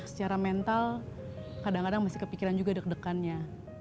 secara mental kadang kadang masih kepikiran juga deg degannya